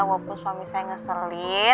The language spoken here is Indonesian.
walaupun suami saya ngeselin